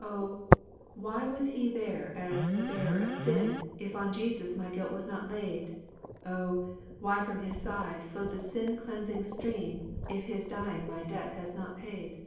Oh, why was He there as the Bearer of sin If on Jesus my guilt was not laid? Oh, why from His side flowed the sin cleansing stream, If His dying my debt has not paid?